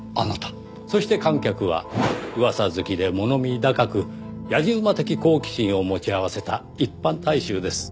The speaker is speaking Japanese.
そして観客は噂好きで物見高くやじ馬的好奇心を持ち合わせた一般大衆です。